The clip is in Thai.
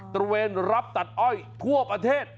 ระเวนรับตัดอ้อยทั่วประเทศ